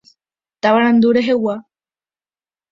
Tavarandu rehegua.